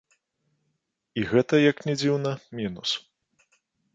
І гэта, як ні дзіўна, мінус.